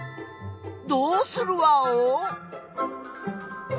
どうするワオ？